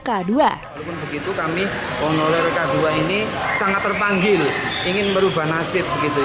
walaupun begitu kami honorer k dua ini sangat terpanggil ingin merubah nasib